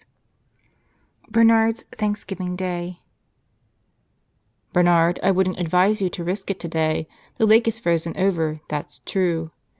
13 'BernarO's Cbanltsgtoing Dap BERNARD, I wouldn't advise you to risk it | today. The lake is frozen over, that's true.